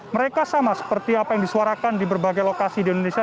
mereka sama seperti apa yang disuarakan di berbagai lokasi di indonesia